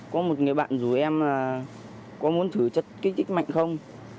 có một người bạn rủ em là có muốn thử chất tích mạnh không